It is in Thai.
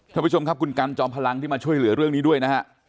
ท่านผู้ชมครับคุณกันจอมพลังที่มาช่วยเหลือเรื่องนี้ด้วยนะฮะ